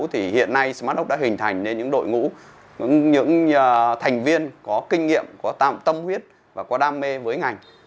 thì hiện nay smartdoc đã hình thành nên những đội ngũ những thành viên có kinh nghiệm có tâm huyết và có đam mê với ngành